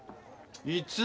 いつ？